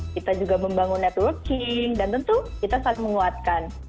kita juga membangun networking dan tentu kita sangat menguatkan